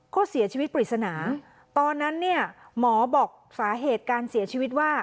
ก็เสียชีวิตปริศนาตอนนั้นเนี่ยหมอบอกสาเหตุการเสียชีวิตว่า